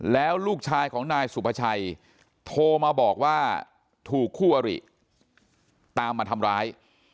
แล้วลูกชายของนายสุภาชัยโทรมาบอกว่าถูกคู่อริตามมาทำร้าย